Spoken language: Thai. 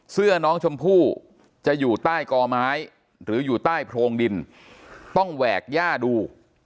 เสื้อน้องชมพู่จะอยู่ใต้กอไม้หรืออยู่ใต้โพรงดินต้องแหวกย่าดู